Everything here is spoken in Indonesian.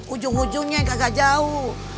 ujung ujungnya kagak jauh